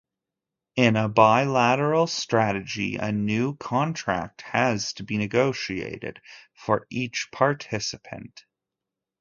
In a bilateral strategy, a new contract has to be negotiated for each participant.